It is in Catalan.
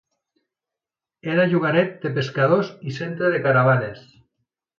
Era llogaret de pescadors i centre de caravanes.